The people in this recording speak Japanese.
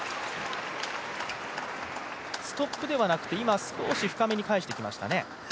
ストップではなくて、今、少し深めに返していきましたね。